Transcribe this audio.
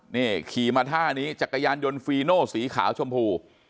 นี่ขี่มาท่านี้จักรยานยนต์ฟีโนสีขาวชมพู